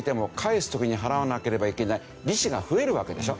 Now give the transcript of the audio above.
返す時に払わなければいけない利子が増えるわけでしょ。